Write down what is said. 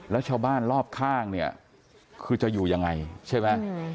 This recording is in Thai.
แล้วชาวบ้านรอบข้างเนี่ยคือจะอยู่ยังไงใช่ไหม